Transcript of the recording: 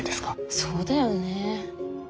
そうだよね。